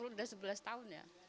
udah sebelas tahun ya